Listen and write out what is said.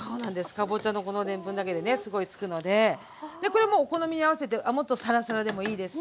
かぼちゃのこのでんぷんだけでねすごいつくのででこれはもうお好みに合わせてもっとサラサラでもいいですしうん。